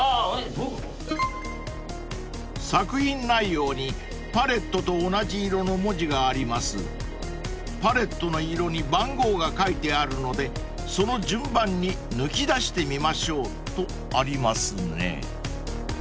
［作品内容にパレットと同じ色の文字があります］［パレットの色に番号が書いてあるのでその順番に抜き出してみましょうとありますね］